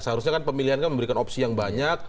seharusnya kan pemilihan kan memberikan opsi yang banyak